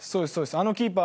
「あのキーパー